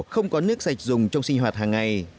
không có nước sạch dùng trong sinh hoạt hàng ngày